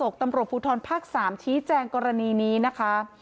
ตำรวจภูทรภาค๓ชี้แจงกรณีนี้นะคะ